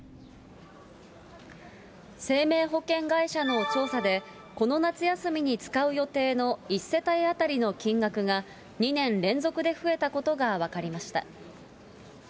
生命保険会社の調査で、この夏休みに使う予定の１世帯当たりの金額が、２年連続で増えたことが分かりました。